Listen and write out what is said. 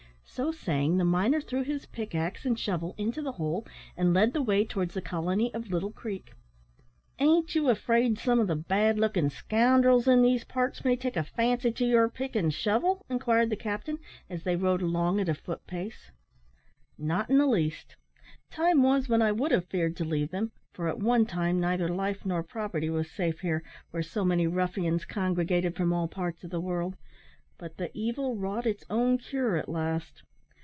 So saying, the miner threw his pick axe and shovel into the hole, and led the way towards the colony of Little Creek. "Ain't you afraid some of the bad looking scoundrels in these parts may take a fancy to your pick and shovel?" inquired the captain, as they rode along at a foot pace. "Not in the least. Time was when I would have feared to leave them; for at one time neither life nor property was safe here, where so many ruffians congregated from all parts of the world; but the evil wrought its own cure at last.